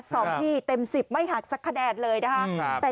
สองที่เต็มสิบไม่หักสักคะแดดเลยนะฮะ